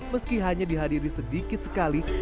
meski hanya dihadiri sedikit sekali